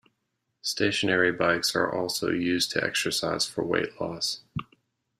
Stationary bikes are also used to exercise for weight loss.